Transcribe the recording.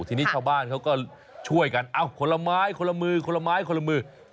ทีนี้ชาวบ้านเขาก็ช่วยกันเอ้าคนละไม้คนละมือคนละไม้คนละมือ